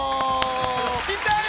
来たよ！